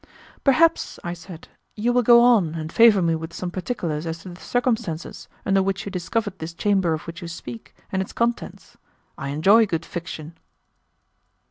"Perhaps," I said, "you will go on and favor me with some particulars as to the circumstances under which you discovered this chamber of which you speak, and its contents. I enjoy good fiction."